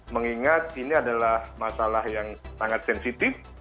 mengingat ini adalah masalah yang sangat sensitif